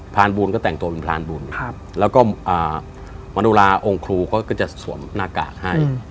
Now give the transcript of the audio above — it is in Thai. รานบุญก็แต่งตัวเป็นพรานบุญแล้วก็มโนราองค์ครูเขาก็จะสวมหน้ากากให้